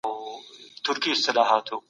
خپل ذهن په ګټورو کتابونو بوخت کړئ.